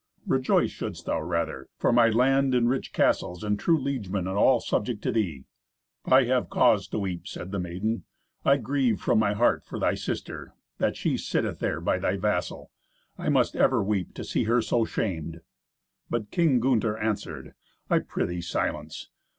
Rejoice shouldst thou rather, for my land and rich castles and true liegemen are all subject to thee." "I have cause to weep," said the maiden. "I grieve from my heart for thy sister, that she sitteth there by thy vassal. I must ever weep to see her so shamed." But King Gunther answered, "I prithee, silence!